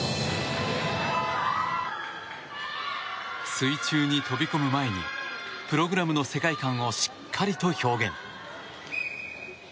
水中に飛び込む前にプログラムの世界観をしっかりと表現。